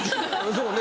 そうね。